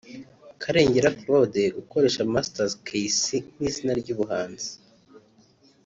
Karengera Claude ukoresha Master Kaycee nk’izina ry’ubuhanzi